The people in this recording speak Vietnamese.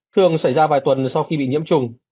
thường xảy ra vài tuần sau khi bị nhiễm trùng